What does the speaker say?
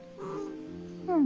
うん。